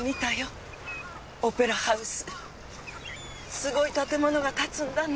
すごい建物が建つんだね。